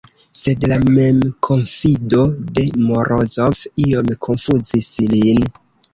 Sed la memkonfido de Morozov iom konfuzis lin.